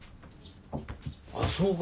ああそうか。